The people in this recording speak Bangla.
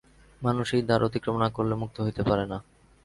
মানুষ এই দ্বার অতিক্রম না করিলে মুক্ত হইতে পারে না।